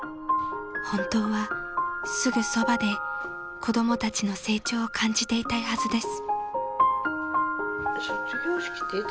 ［本当はすぐそばで子供たちの成長を感じていたいはずです］